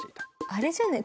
あれじゃない？